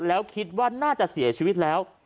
แล้วคิดว่าน่าจะเสียชีวิตแล้ว